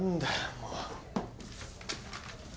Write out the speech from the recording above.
もう。